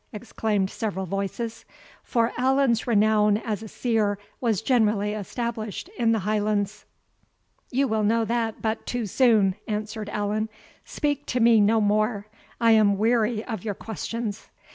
exclaimed several voices; for Allan's renown as a seer was generally established in the Highlands. "You will know that but too soon," answered Allan. "Speak to me no more, I am weary of your questions."